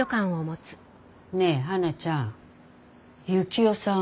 ねえ花ちゃん幸男さん